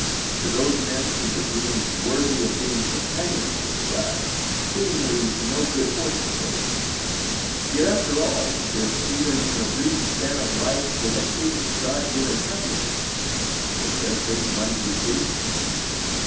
To those men who were deemed worthy of being companions of the gods, seemingly no good fortune came. Yet, after all, if even in a brief span of life they had tasted god given happiness, was their fate one to be pitied?